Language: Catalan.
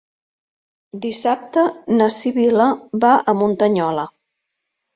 Dissabte na Sibil·la va a Muntanyola.